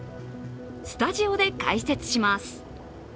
スタジオで解説します。